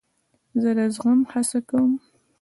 زه د زغم هڅه کوم.